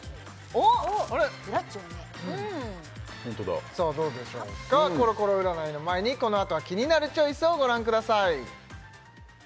おっブラッチ多めホントださあどうでしょうかコロコロ占いの前にこのあとは「キニナルチョイス」をご覧ください